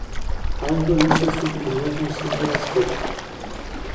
Aș dori să subliniez un singur aspect.